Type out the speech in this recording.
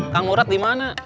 kang murad di mana